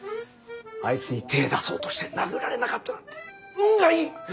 あいつに手ぇ出そうとして殴られなかったなんて運がいい！